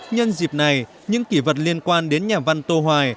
nhân dịp này những kỷ vật liên quan đến nhà văn tô hoài